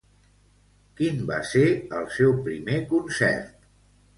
Quin va ser el seu primer concert?